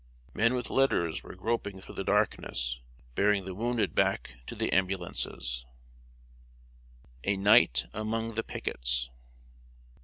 Men with litters were groping through the darkness, bearing the wounded back to the ambulances. [Sidenote: A NIGHT AMONG THE PICKETS.